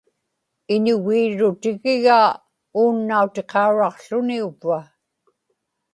iñugiirrutigigaa uunnautiqauraqłuni-uvva